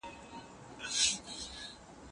کتابتون د هر څېړونکي لپاره د معلوماتو خزانه ده.